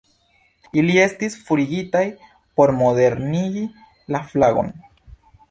Ili estis forigitaj por modernigi la flagon.